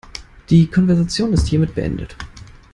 Die Konversation ist hiermit beendet.